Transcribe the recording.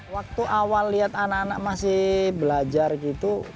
waktu awal lihat anak anak masih belajar gitu